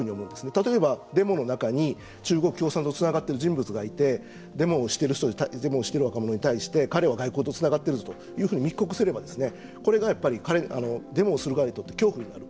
例えば、デモの中に中国共産党とつながっている人物がいてデモをしてる若者に対して彼は外国とつながっているぞというふうに密告すればこれがデモをする側にとって恐怖になる。